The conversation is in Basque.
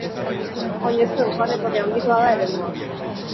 Oinezkoen joan-etorri handikoa da eremua.